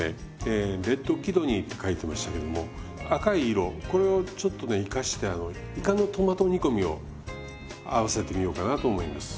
えレッドキドニーって書いてましたけども赤い色これをちょっとね生かしていかのトマト煮込みを合わせてみようかなと思います。